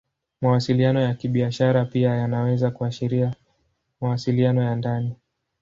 Mawasiliano ya Kibiashara pia yanaweza kuashiria mawasiliano ya ndani.